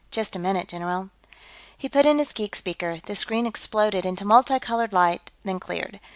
"Just a minute, general." He put in his geek speaker. The screen exploded into multi colored light, then cleared.